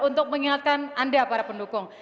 untuk mengingatkan anda para pendukung